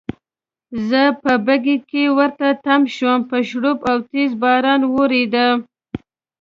زه په بګۍ کې ورته تم شوم، په شړپ او تېز باران وریده.